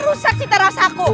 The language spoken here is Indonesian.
rusak sih terasa aku